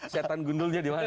setan gundulnya dimana